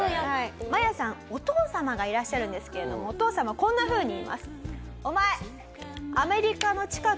マヤさんお父様がいらっしゃるんですけれどもお父様こんなふうに言います。